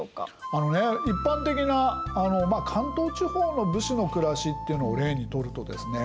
あのね一般的な関東地方の武士の暮らしっていうのを例にとるとですね